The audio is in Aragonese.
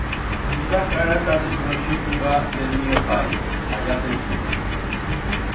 Iba cara ta'l desconoixiu llugar d'el mío pai, allá pe'l sur.